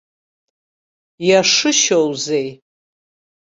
Иашышьоузеи?